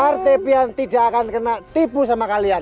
rt pian tidak akan kena tipu sama kalian